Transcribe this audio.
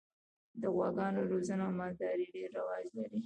د غواګانو روزنه او مالداري ډېر رواج لري.